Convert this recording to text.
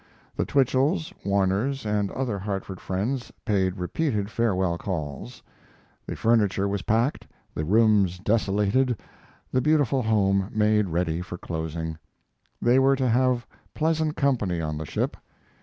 The Twichells, Warners, and other Hartford friends paid repeated farewell calls. The furniture was packed, the rooms desolated, the beautiful home made ready for closing. They were to have pleasant company on the ship.